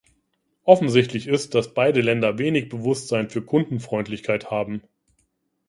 Offensichtlich ist, dass beide Länder wenig Bewusstsein für Kundenfreundlichkeit haben.